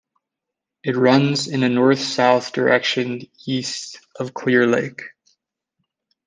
It runs in a north-south direction east of Clear Lake.